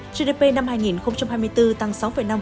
gdp năm hai nghìn hai mươi bốn tăng sáu năm